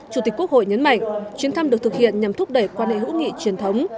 chủ tịch quốc hội nhấn mạnh chuyến thăm được thực hiện nhằm thúc đẩy quan hệ hữu nghị truyền thống